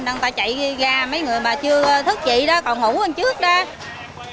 người ta chạy ra mấy người mà chưa thức trị đó còn ngủ hơn trước đó